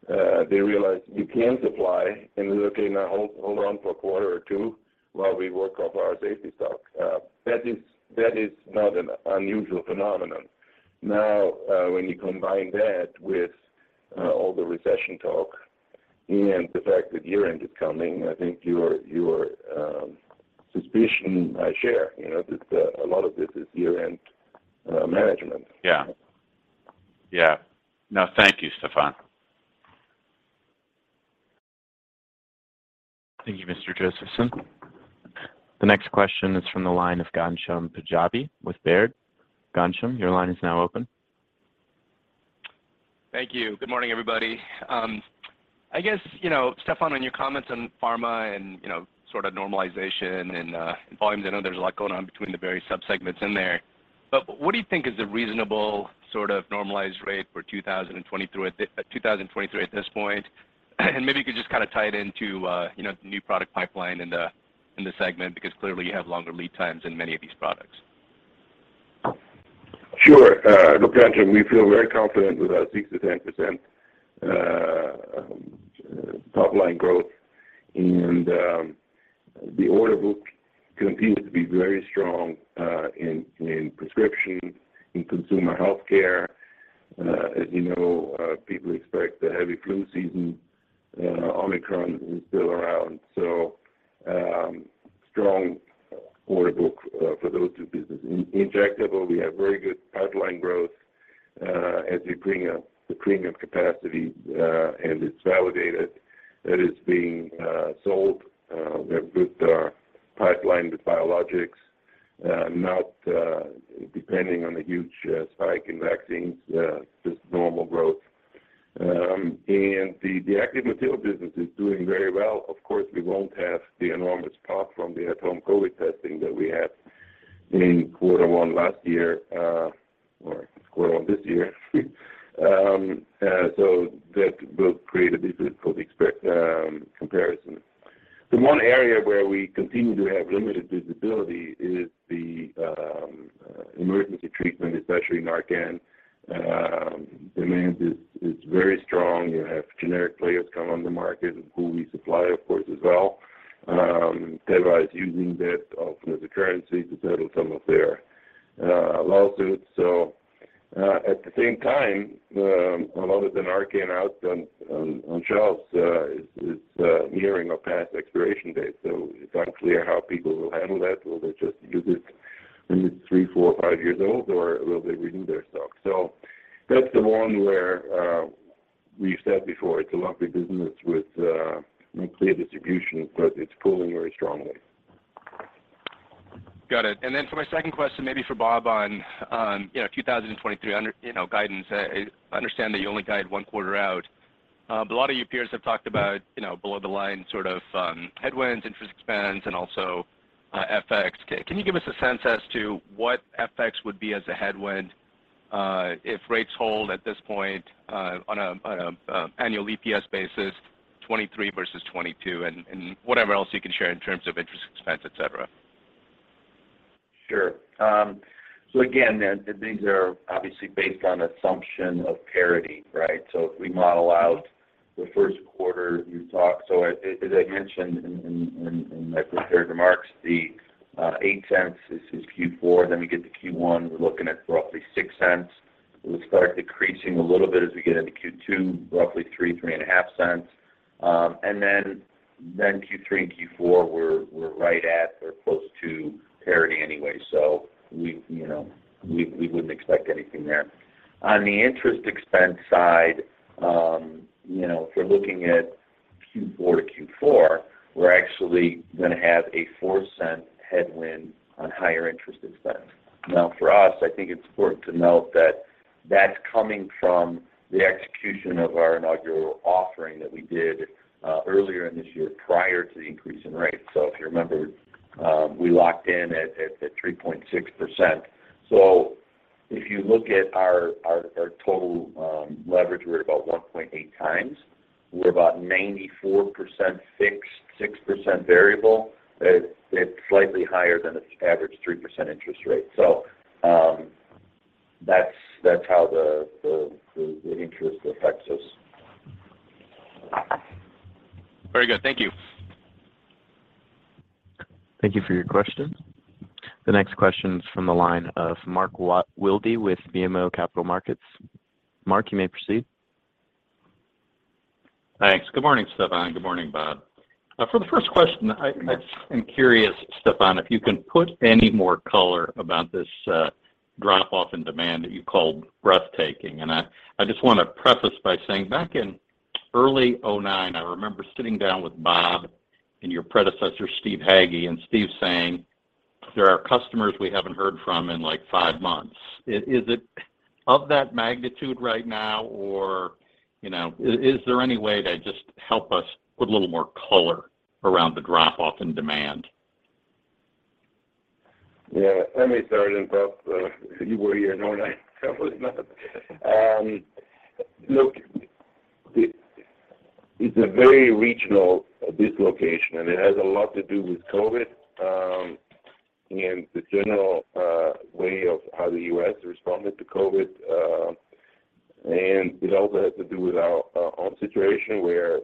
they realize you can supply and we're, "Okay, now hold on for a quarter or two while we work off our safety stock." That is not an unusual phenomenon. Now, when you combine that with all the recession talk and the fact that year-end is coming, I think your suspicion I share. You know? That a lot of this is year-end management. Yeah. No, thank you, Stephan. Thank you, Mr. Josephson. The next question is from the line of Ghansham Panjabi with Baird. Gansham, your line is now open. Thank you. Good morning, everybody. I guess, you know, Stephan, on your comments on pharma and, you know, sort of normalization and volumes, I know there's a lot going on between the various subsegments in there. What do you think is a reasonable sort of normalized rate for 2023 at this point? Maybe you could just kind of tie it into, you know, new product pipeline in the segment, because clearly you have longer lead times in many of these products. Sure. Look, Ghansham, we feel very confident with our 6%-10% top line growth. The order book continues to be very strong in prescription, in consumer healthcare. As you know, people expect a heavy flu season. Omicron is still around. Strong order book for those two businesses. In injectable, we have very good pipeline growth as we bring up the premium capacity, and it's validated that it's being sold with our pipeline to biologics, not depending on the huge spike in vaccines, just normal growth. The active material business is doing very well. Of course, we won't have the enormous pop from the at-home COVID testing that we had in quarter one last year, or quarter one this year. That will create a difficult comparison. The one area where we continue to have limited visibility is the emergency treatment, especially NARCAN. Demand is very strong. You have generic players come on the market and who we supply, of course, as well. Teva is using that as a currency to settle some of their lawsuits. At the same time, a lot of the NARCAN out on shelves is nearing or past expiration date, so it's unclear how people will handle that. Will they just use it when it's three, four, five years old, or will they renew their stock? That's the one where we've said before, it's a lumpy business with unclear distribution, but it's pulling very strongly. Got it. For my second question, maybe for Bob on you know, 2023 guidance. I understand that you only guide one quarter out. A lot of your peers have talked about you know, below the line, sort of, headwinds, interest expense, and also, FX. Can you give us a sense as to what FX would be as a headwind if rates hold at this point on an annual EPS basis, 2023 versus 2022 and whatever else you can share in terms of interest expense, et cetera? Sure. Again, these are obviously based on assumption of parity, right? If we model out the first quarter, as I mentioned in my prepared remarks, the $0.08 is Q4. Then we get to Q1, we're looking at roughly $0.06. We'll start decreasing a little bit as we get into Q2, roughly three and a half cents. Then Q3 and Q4, we're right at or close to parity anyway. You know, we wouldn't expect anything there. On the interest expense side, you know, if you're looking at Q4 to Q4, we're actually gonna have a $0.04 headwind on higher interest expense. Now, for us, I think it's important to note that that's coming from the execution of our inaugural offering that we did earlier in this year prior to the increase in rates. If you remember, we locked in at 3.6%. If you look at our total leverage, we're about 1.8 times. We're about 94% fixed, 6% variable. It's slightly higher than its average 3% interest rate. That's how the interest affects us. Very good. Thank you. Thank you for your question. The next question is from the line of Mark Wilde with BMO Capital Markets. Mark, you may proceed. Thanks. Good morning, Stephan. Good morning, Bob. For the first question, I am curious, Stephan, if you can put any more color about this drop-off in demand that you called breathtaking. I just wanna preface by saying back in early 2009, I remember sitting down with Bob and your predecessor, Stephen J. Hagge, and Stephen J. Hagge saying, "There are customers we haven't heard from in, like, five months." Is it of that magnitude right now? Or, is there any way to just help us put a little more color around the drop-off in demand? Yeah. I'm sorry, Bob. You were here in 2009. I was not. Look, it's a very regional dislocation, and it has a lot to do with COVID, and the general way of how the U.S. responded to COVID. It also has to do with our own situation, where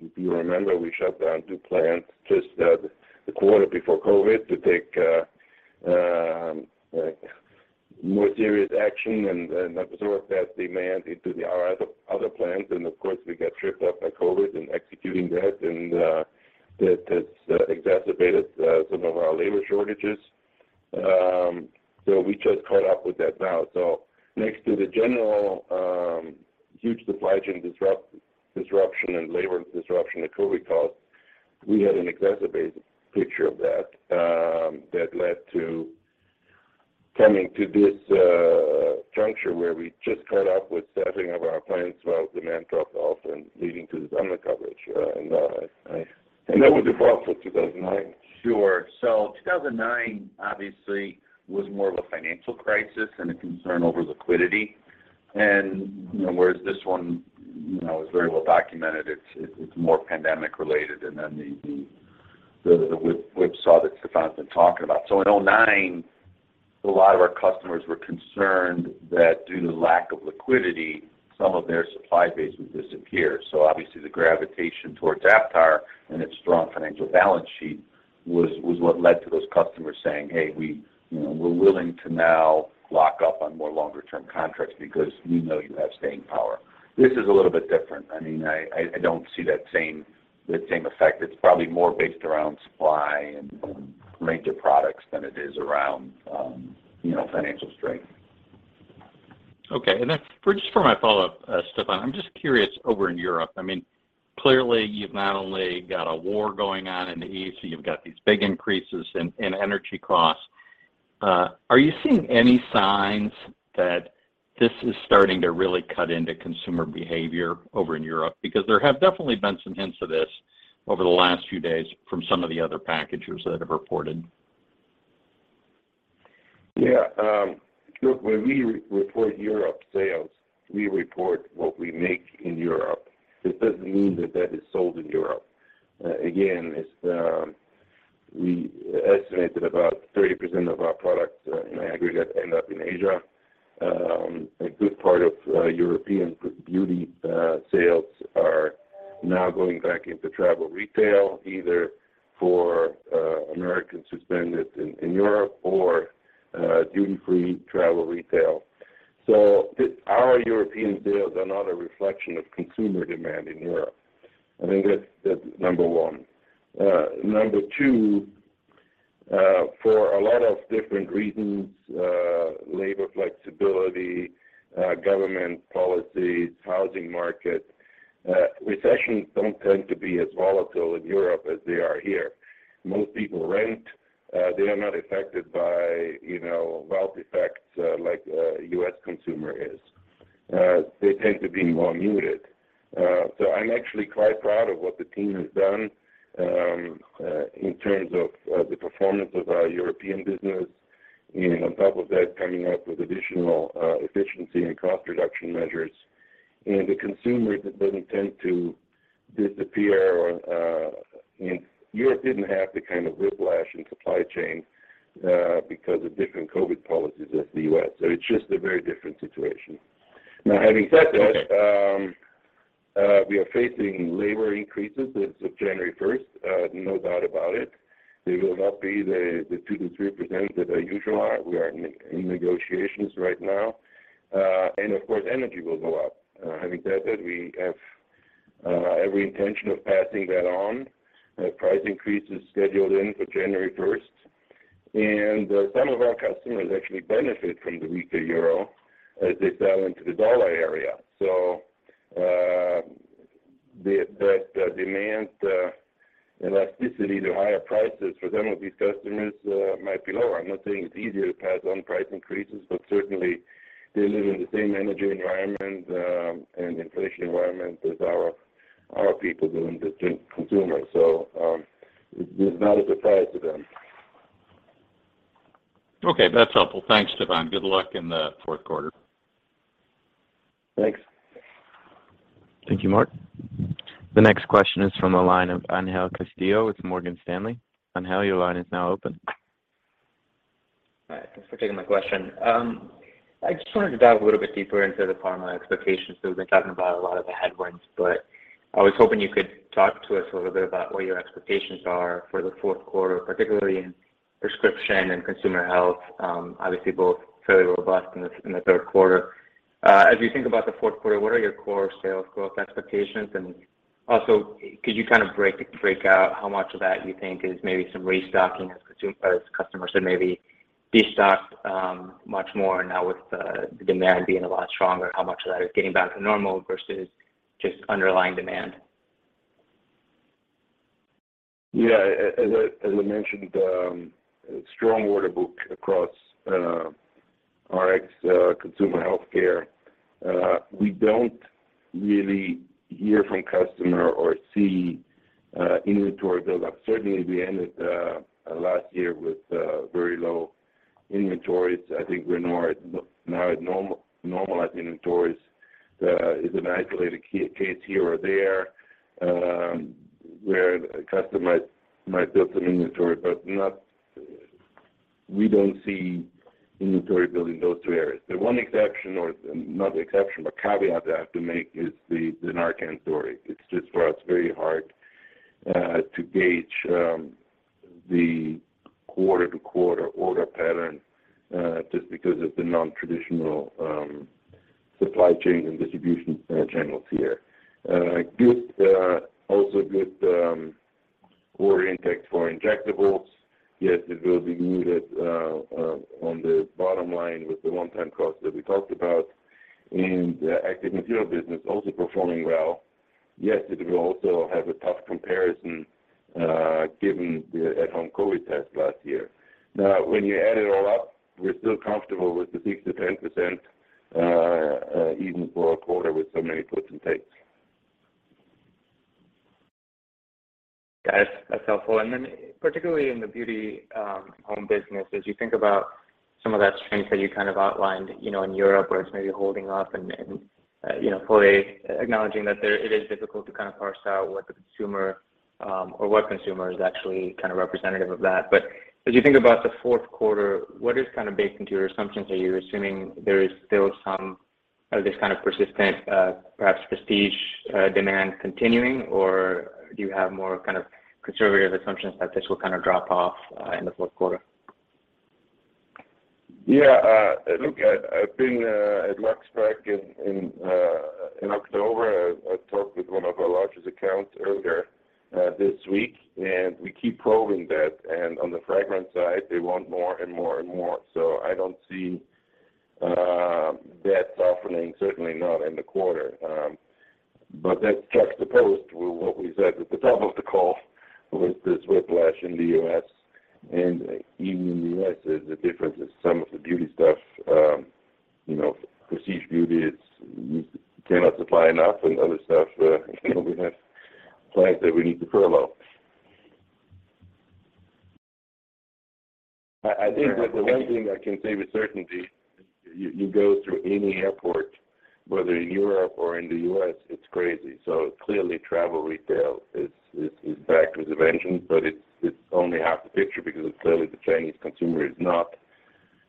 if you remember, we shut down two plants just the quarter before COVID to take more serious action and absorb that demand into our other plants. Of course, we got tripped up by COVID in executing that, and that has exacerbated some of our labor shortages. We just caught up with that now. Next to the general huge supply chain disruption and labor disruption that COVID caused, we had an exacerbated picture of that that led to coming to this juncture where we just caught up with staffing of our plants while demand dropped off and leading to this undercoverage. That was different from 2009. Sure. 2009 obviously was more of a financial crisis and a concern over liquidity. You know, whereas this one, you know, is very well documented, it's more pandemic-related. Then the whipsaw that Stephan's been talking about. In 2009, a lot of our customers were concerned that due to lack of liquidity, some of their supply base would disappear. Obviously the gravitation towards Aptar and its strong financial balance sheet. Was what led to those customers saying, "Hey, we, you know, we're willing to now lock up on more longer term contracts because we know you have staying power." This is a little bit different. I mean, I don't see that same effect. It's probably more based around supply and related products than it is around, you know, financial strength. Okay. Just for my follow-up, Stephan, I'm just curious, over in Europe, I mean, clearly, you've not only got a war going on in the east, you've got these big increases in energy costs. Are you seeing any signs that this is starting to really cut into consumer behavior over in Europe? Because there have definitely been some hints of this over the last few days from some of the other packagers that have reported. Yeah. Look, when we report Europe sales, we report what we make in Europe. This doesn't mean that that is sold in Europe. Again, it's we estimate that about 30% of our products in aggregate end up in Asia. A good part of European beauty sales are now going back into travel retail, either for Americans who spend it in Europe or duty-free travel retail. Our European sales are not a reflection of consumer demand in Europe. I think that's number one. Number two, for a lot of different reasons, labor flexibility, government policies, housing market, recessions don't tend to be as volatile in Europe as they are here. Most people rent, they are not affected by, you know, wealth effects like a U.S. consumer is. They tend to be more muted. I'm actually quite proud of what the team has done in terms of the performance of our European business, and on top of that, coming up with additional efficiency and cost reduction measures. The consumer doesn't tend to disappear, and Europe didn't have the kind of whiplash in supply chain because of different COVID policies as the U.S. It's just a very different situation. Now, having said that, we are facing labor increases as of January first, no doubt about it. They will not be the 2%-3% that are usual. We are in negotiations right now. Of course, energy will go up. Having said that, we have every intention of passing that on. Price increase is scheduled in for January first. Some of our customers actually benefit from the weaker euro as they sell into the dollar area. That demand elasticity to higher prices for them with these customers might be lower. I'm not saying it's easier to pass on price increases, but certainly they live in the same energy environment and inflation environment as our people do and the consumer. It is not a surprise to them. Okay, that's helpful. Thanks, Stephan. Good luck in the fourth quarter. Thanks. Thank you, Mark. The next question is from the line of Angel Castillo with Morgan Stanley. Angel, your line is now open. Hi, thanks for taking my question. I just wanted to dive a little bit deeper into the pharma expectations. We've been talking about a lot of the headwinds, but I was hoping you could talk to us a little bit about what your expectations are for the fourth quarter, particularly in prescription and consumer health, obviously both fairly robust in the third quarter. As you think about the fourth quarter, what are your core sales growth expectations? And also, could you kind of break out how much of that you think is maybe some restocking as customers have maybe destocked much more now with the demand being a lot stronger, how much of that is getting back to normal versus just underlying demand? Yeah. As I mentioned, strong order book across RX, consumer healthcare. We don't really hear from customer or see inventory build-up. Certainly, we ended last year with very low inventories. I think we're now at normalized inventories. It's an isolated case here or there where a customer might build some inventory, but we don't see inventory building those two areas. The one exception, or not the exception, but caveat I have to make is the NARCAN story. It's just for us very hard to gauge the quarter-to-quarter order pattern just because of the non-traditional supply chain and distribution channels here. Good also good order intake for injectables. Yes, it will be needed on the bottom line with the one-time cost that we talked about. The active material business also performing well. Yes, it will also have a tough comparison, given the at-home COVID test last year. Now, when you add it all up, we're still comfortable with the 6%-10%, even for a quarter with so many puts and takes. Got it. That's helpful. Then particularly in the beauty, home business, as you think about some of that strength that you kind of outlined, you know, in Europe, where it's maybe holding up and, you know, fully acknowledging that it is difficult to kind of parse out what the consumer, or what consumer is actually kind of representative of that. As you think about the fourth quarter, what is kind of baked into your assumptions? Are you assuming there is still someAre this kind of persistent, perhaps prestige, demand continuing or do you have more kind of conservative assumptions that this will kind of drop off in the fourth quarter? Yeah. Look, I've been at Luxe Pack in October. I talked with one of our largest accounts earlier this week, and we keep probing that. On the fragrance side, they want more and more and more, so I don't see that softening, certainly not in the quarter. But that's juxtaposed with what we said at the top of the call with this whiplash in the U.S. Even in the U.S., the difference is some of the beauty stuff, you know, prestige beauty is you cannot supply enough and other stuff, you know, we have plants that we need to furlough. I think that the one thing I can say with certainty, you go through any airport, whether in Europe or in the U.S., it's crazy. Clearly travel retail is back with a vengeance. It's only half the picture because clearly the Chinese consumer is not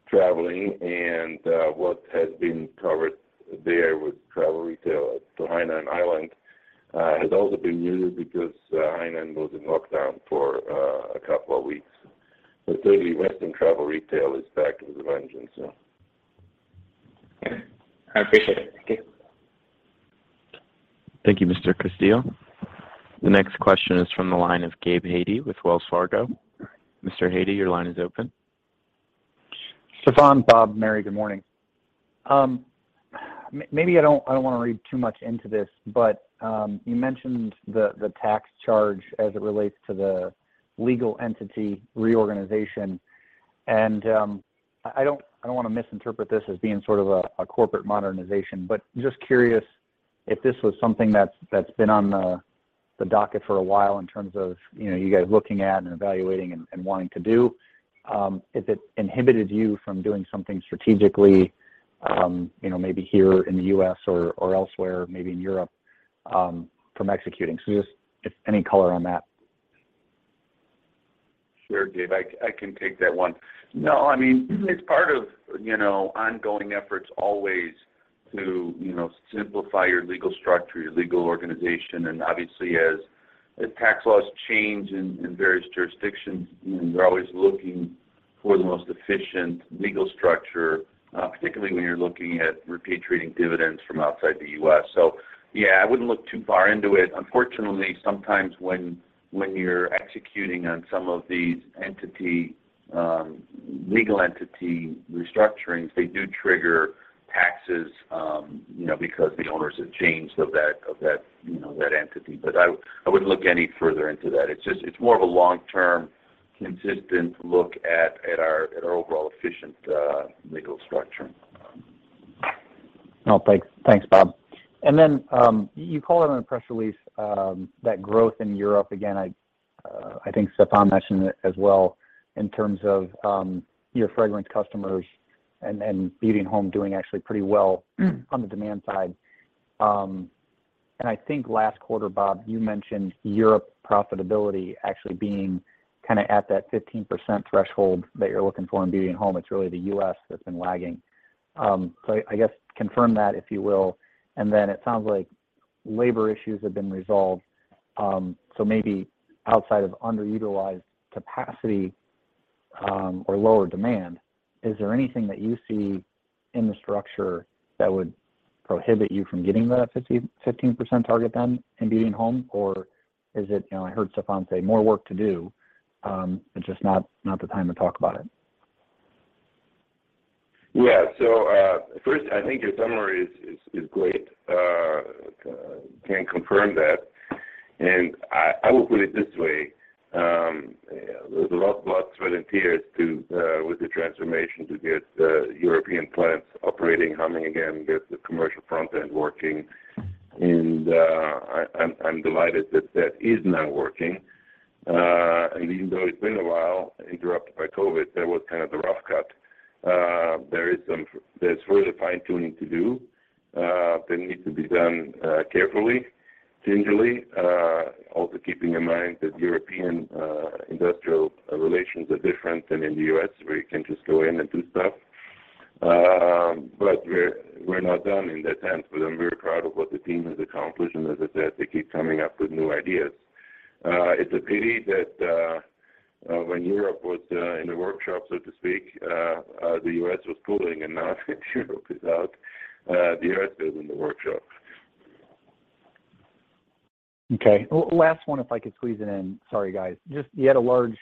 traveling. What has been covered there with travel retail to Hainan Island has also been muted because Hainan was in lockdown for a couple of weeks. Clearly, Western travel retail is back with a vengeance now. Okay. I appreciate it. Thank you. Thank you, Mr. Castillo. The next question is from the line of Gabe Hajde with Wells Fargo. Mr. Hajde, your line is open. Stephan, Bob, Mary, good morning. Maybe I don't wanna read too much into this, but you mentioned the tax charge as it relates to the legal entity reorganization. I don't wanna misinterpret this as being sort of a corporate modernization, but just curious if this was something that's been on the docket for a while in terms of, you know, you guys looking at and evaluating and wanting to do. If it inhibited you from doing something strategically, you know, maybe here in the U.S. or elsewhere, maybe in Europe, from executing. Just if any color on that. Sure, Gabe, I can take that one. No, I mean, it's part of, you know, ongoing efforts always to, you know, simplify your legal structure, your legal organization. Obviously as tax laws change in various jurisdictions, you know, you're always looking for the most efficient legal structure, particularly when you're looking at repatriating dividends from outside the U.S. So yeah, I wouldn't look too far into it. Unfortunately, sometimes when you're executing on some of these entity legal entity restructurings, they do trigger taxes, you know, because the owners have changed of that, you know, that entity. But I wouldn't look any further into that. It's just, it's more of a long-term consistent look at our overall efficient legal structure. Oh, thanks. Thanks, Bob. You call out in the press release that growth in Europe. Again, I think Stephan mentioned it as well in terms of your fragrance customers and Beauty and Home doing actually pretty well on the demand side. I think last quarter, Bob, you mentioned Europe profitability actually being kinda at that 15% threshold that you're looking for in Beauty and Home. It's really the U.S. that's been lagging. I guess confirm that, if you will. It sounds like labor issues have been resolved. Maybe outside of underutilized capacity or lower demand, is there anything that you see in the structure that would prohibit you from getting that 15% target then in Beauty and Home? Is it, you know, I heard Stephan say more work to do, it's just not the time to talk about it. Yeah. First, I think your summary is great. Can confirm that. I will put it this way. There's a lot of sweat and tears with the transformation to get European plants operating, humming again, get the commercial front end working and I'm delighted that is now working. Even though it's been a while, interrupted by COVID, that was kind of the rough cut. There's further fine-tuning to do that needs to be done carefully, gingerly. Also keeping in mind that European industrial relations are different than in the U.S., where you can just go in and do stuff. We're not done in that sense, but I'm very proud of what the team has accomplished. As I said, they keep coming up with new ideas. It's a pity that when Europe was in the workshop, so to speak, the US was cooling. Now Europe is out, the US is in the workshop. Okay. Last one, if I could squeeze it in. Sorry, guys. Just you had a large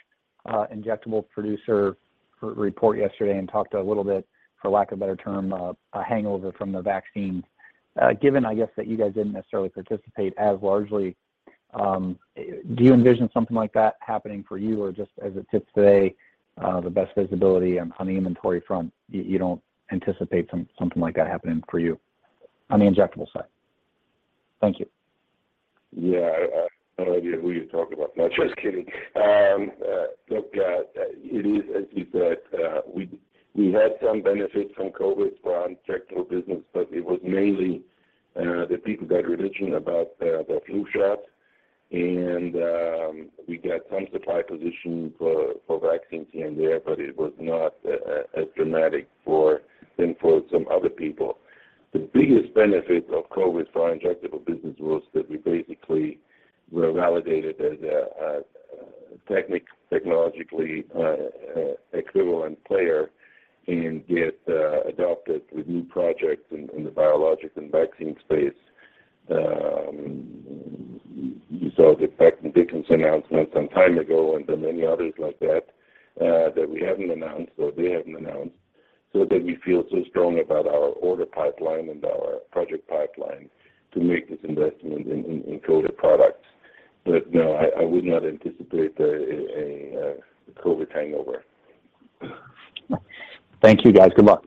injectable producer re-report yesterday and talked a little bit, for lack of better term, a hangover from the vaccine. Given, I guess, that you guys didn't necessarily participate as largely, do you envision something like that happening for you? Or just as it sits today, the best visibility on the inventory front, you don't anticipate something like that happening for you on the injectable side? Thank you. Yeah. I have no idea who you're talking about. No, just kidding. Look, it is as you said, we had some benefit from COVID for our injectable business, but it was mainly the people got religion about the flu shot. We got some supply position for vaccines here and there, but it was not as dramatic for them for some other people. The biggest benefit of COVID for our injectable business was that we basically were validated as a technologically equivalent player and got adopted with new projects in the biologics and vaccine space. You saw the Becton Dickinson announcement some time ago, and there are many others like that we haven't announced or they haven't announced, so that we feel so strong about our order pipeline and our project pipeline to make this investment in coated products. No, I would not anticipate a COVID hangover. Thank you, guys. Good luck.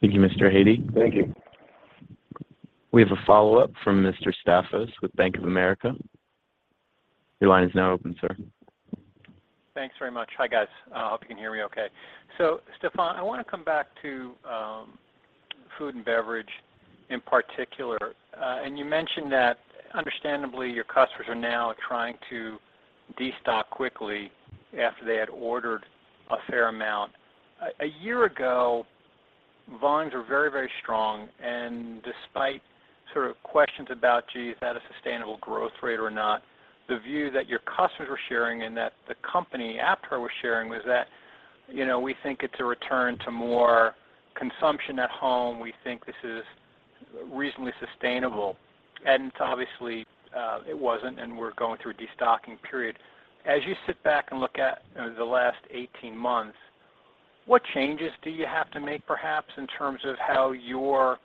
Thank you, Mr. Hajde. Thank you. We have a follow-up from Mr. Staphos with Bank of America. Your line is now open, sir. Thanks very much. Hi, guys. I hope you can hear me okay. Stephan, I wanna come back to food and beverage in particular. You mentioned that understandably, your customers are now trying to destock quickly after they had ordered a fair amount. A year ago, volumes were very, very strong, and despite sort of questions about, gee, is that a sustainable growth rate or not, the view that your customers were sharing and that the company, Aptar, was sharing was that, you know, we think it's a return to more consumption at home. We think this is reasonably sustainable. Obviously, it wasn't, and we're going through a destocking period. As you sit back and look at, you know, the last 18 months, what changes do you have to make perhaps in terms of how your...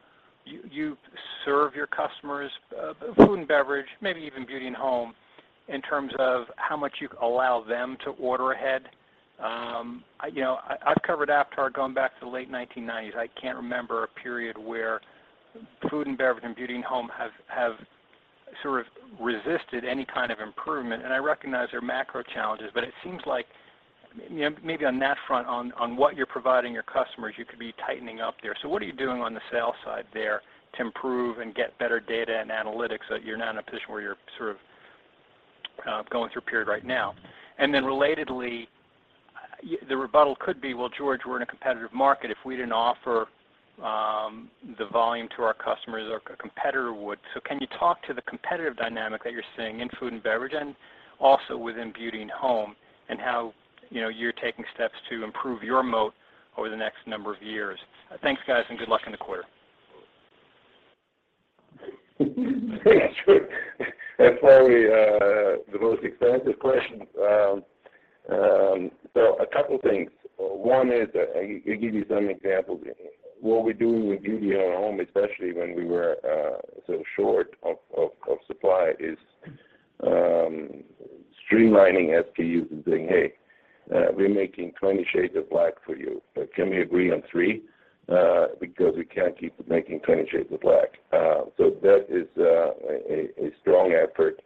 You serve your customers, food and beverage, maybe even beauty and home, in terms of how much you allow them to order ahead? You know, I've covered Aptar going back to the late 1990s. I can't remember a period where food and beverage and beauty and home have sort of resisted any kind of improvement. I recognize there are macro challenges, but it seems like, you know, maybe on that front, on what you're providing your customers, you could be tightening up there. What are you doing on the sales side there to improve and get better data and analytics so you're not in a position where you're sort of going through a period right now? Then relatedly, the rebuttal could be, "Well, George, we're in a competitive market. If we didn't offer the volume to our customers, our competitor would." Can you talk to the competitive dynamic that you're seeing in food and beverage and also within beauty and home, and how, you know, you're taking steps to improve your moat over the next number of years? Thanks, guys, and good luck in the quarter. That's probably the most expensive question. A couple things. One is, I give you some examples. What we do with beauty and home, especially when we were so short of supply, is streamlining SKUs and saying, "Hey, we're making 20 shades of black for you. Can we agree on 3? Because we can't keep making 20 shades of black." That is a strong effort.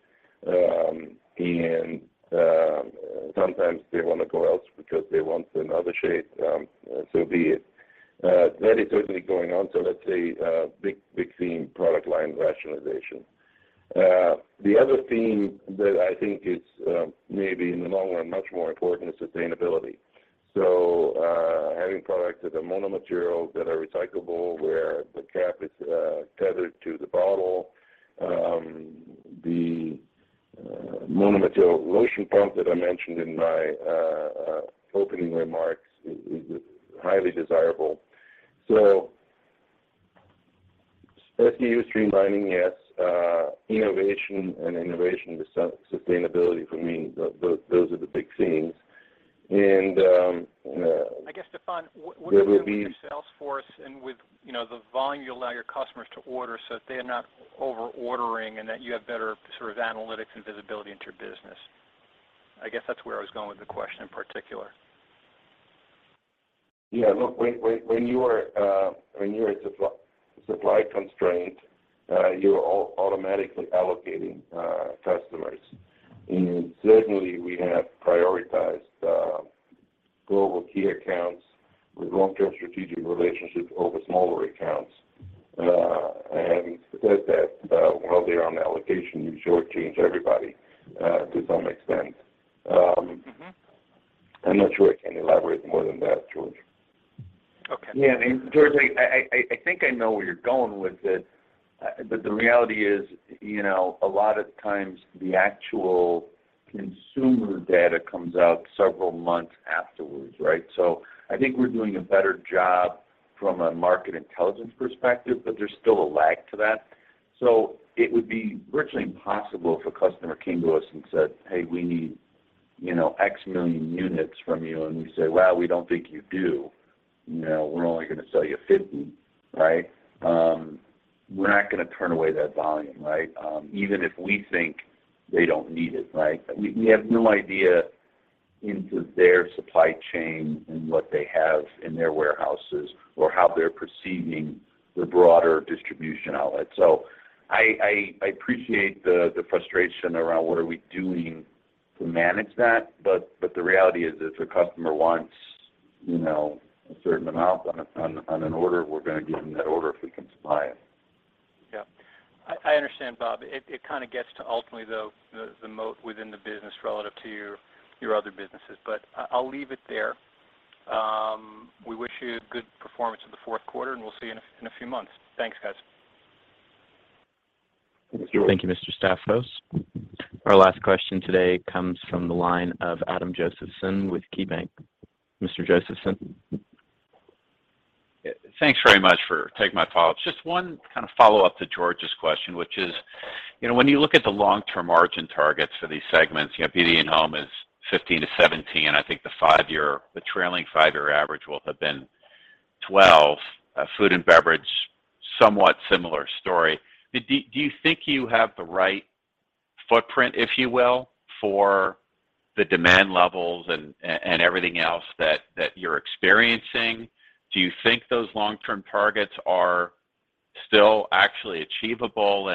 Sometimes they wanna go else because they want another shade, so be it. That is certainly going on. Let's say big theme, product line rationalization. The other theme that I think is maybe in the long run much more important is sustainability. Having products that are mono-materials that are recyclable, where the cap is tethered to the bottle. The mono-material lotion pump that I mentioned in my opening remarks is highly desirable. SKU streamlining, yes, innovation with sustainability for me, those are the big themes. I guess, Stephan. There will be- What are you doing with your sales force and with, you know, the volume you allow your customers to order so that they're not over-ordering and that you have better sort of analytics and visibility into your business? I guess that's where I was going with the question in particular. Yeah. Look, when you're at supply constraint, you're automatically allocating customers. Certainly, we have prioritized global key accounts with long-term strategic relationships over smaller accounts and said that while they're on allocation, you shortchange everybody to some extent. Mm-hmm. I'm not sure I can elaborate more than that, George. Okay. Yeah. George, I think I know where you're going with it, but the reality is, you know, a lot of times the actual consumer data comes out several months afterwards, right? I think we're doing a better job from a market intelligence perspective, but there's still a lag to that. It would be virtually impossible if a customer came to us and said, "Hey, we need, you know, X million units from you," and we say, "Well, we don't think you do. You know, we're only gonna sell you 50," right? We're not gonna turn away that volume, right? Even if we think they don't need it, right? We have no idea into their supply chain and what they have in their warehouses or how they're perceiving the broader distribution outlet. I appreciate the frustration around what are we doing to manage that, but the reality is if a customer wants, You know, a certain amount on an order, we're gonna give them that order if we can supply it. Yeah. I understand, Bob. It kinda gets to ultimately though the moat within the business relative to your other businesses. I'll leave it there. We wish you good performance in the fourth quarter, and we'll see you in a few months. Thanks, guys. Thank you. Thank you, Mr. Staphos. Our last question today comes from the line of Adam Josephson with KeyBank. Mr. Josephson. Thanks very much for taking my call. Just one kind of follow-up to George's question, which is, you know, when you look at the long-term margin targets for these segments, you know, Beauty and Home is 15%-17%, and I think the trailing five-year average will have been 12%. Food and Beverage, somewhat similar story. Do you think you have the right footprint, if you will, for the demand levels and everything else that you're experiencing? Do you think those long-term targets are still actually achievable?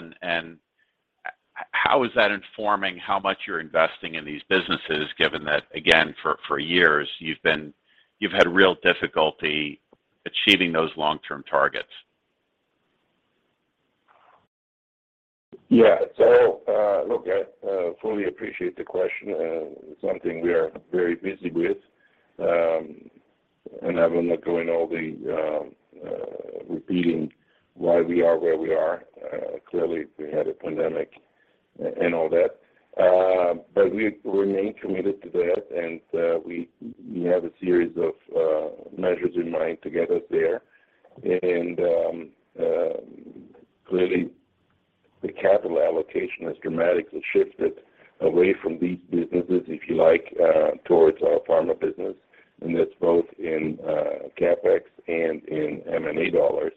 How is that informing how much you're investing in these businesses given that, again, for years you've been—you've had real difficulty achieving those long-term targets? Yeah. Look, I fully appreciate the question. Something we are very busy with, and I will not go in all the repeating why we are where we are. Clearly we had a pandemic and all that. We remain committed to that, and we have a series of measures in mind to get us there. Clearly the capital allocation has dramatically shifted away from these businesses, if you like, towards our pharma business, and that's both in CapEx and in M&A dollars,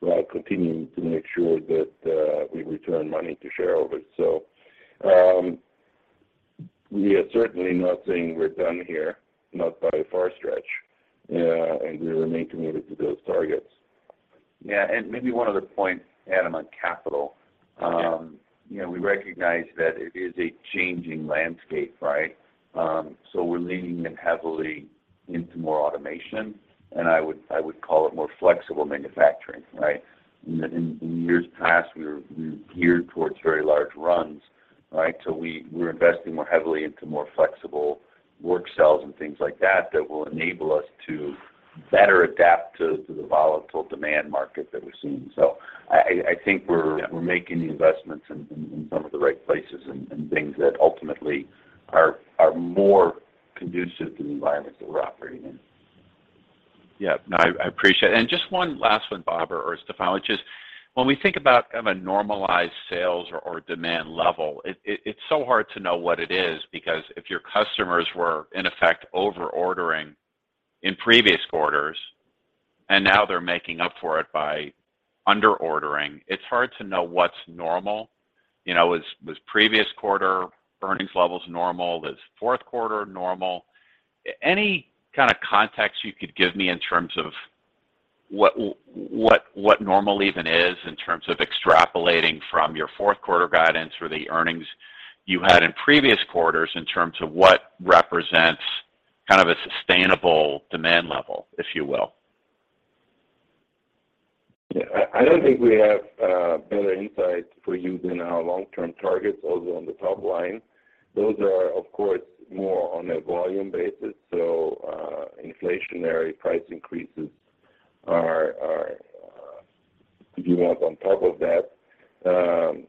while continuing to make sure that we return money to shareholders. We are certainly not saying we're done here, not by a far stretch, and we remain committed to those targets. Yeah. Maybe one other point, Adam, on capital. You know, we recognize that it is a changing landscape, right? We're leaning in heavily into more automation, and I would call it more flexible manufacturing, right? In years past, we geared towards very large runs, right? We're investing more heavily into more flexible work cells and things like that will enable us to better adapt to the volatile demand market that we're seeing. I think we're- Yeah We're making the investments in some of the right places and things that ultimately are more conducive to the environment that we're operating in. Yeah. No, I appreciate it. Just one last one, Bob or Stephan, which is when we think about kind of a normalized sales or demand level, it's so hard to know what it is because if your customers were in effect over-ordering in previous quarters and now they're making up for it by under-ordering, it's hard to know what's normal. You know, was previous quarter earnings levels normal? Was fourth quarter normal? Any kind of context you could give me in terms of what normal even is in terms of extrapolating from your fourth quarter guidance or the earnings you had in previous quarters in terms of what represents kind of a sustainable demand level, if you will? Yeah, I don't think we have better insight for you than our long-term targets, although on the top line, those are, of course, more on a volume basis. Inflationary price increases are if you want on top of that.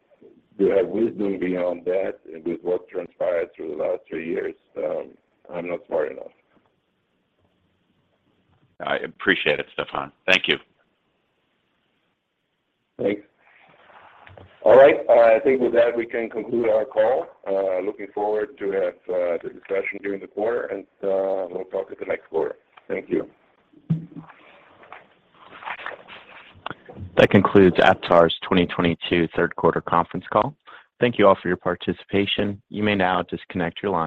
Do you have wisdom beyond that with what transpired through the last three years? I'm not smart enough. I appreciate it, Stephan. Thank you. Thanks. All right. I think with that, we can conclude our call. Looking forward to have the discussion during the quarter, and we'll talk at the next quarter. Thank you. That concludes Aptar's 2022 third quarter conference call. Thank you all for your participation. You may now disconnect your lines.